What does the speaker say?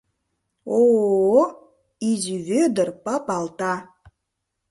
О-о, изи Вӧдыр папалта